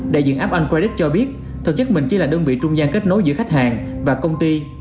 đại diện app on credit cho biết thực chất mình chỉ là đơn vị trung gian kết nối giữa khách hàng và công ty